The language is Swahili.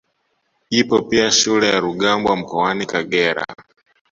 Ipo pia shule ya Rugambwa mkaoni Kagera